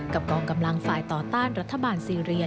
กองกำลังฝ่ายต่อต้านรัฐบาลซีเรีย